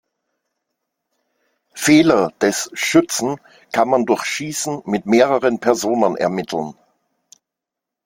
Fehler des Schützen kann man durch Schießen mit mehreren Personen ermitteln.